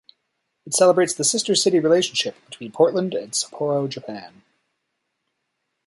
It celebrates the sister city relationship between Portland and Sapporo, Japan.